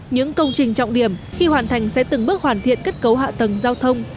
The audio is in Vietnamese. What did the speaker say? những công trình trọng điểm khi hoàn thành sẽ từng bước hoàn thiện kết cấu hạ tầng giao thông